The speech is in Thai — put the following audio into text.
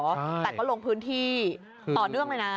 แต่ก็ลงพื้นที่ต่อเนื่องเลยนะ